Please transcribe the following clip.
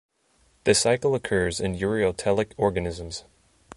This cycle occurs in ureotelic organisms.